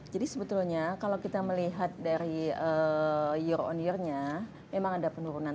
jadi sebetulnya kalau kita melihat dari year on year nya memang ada penurunan